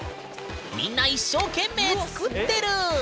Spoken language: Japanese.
みんな一生懸命作ってる！